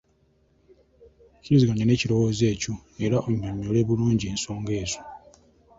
Kkiriziganya n’ekirowoozo ekyo era onnyonnyole bulungi ensonga zo.